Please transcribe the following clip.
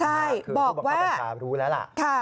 ใช่คือผู้บังคับบัญชารู้แล้วล่ะ